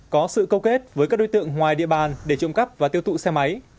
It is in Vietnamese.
có sự câu kết với các đối tượng ngoài địa bàn để trộm cắp và tiêu thụ xe máy